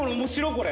これ。